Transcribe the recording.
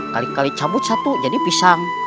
kali kali cabut satu jadi pisang